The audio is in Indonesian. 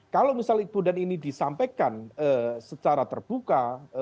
kalau misalnya kemudian ini disampaikan secara terbuka